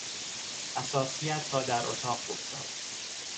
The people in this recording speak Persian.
اثاثیهات را در اتاق بگذار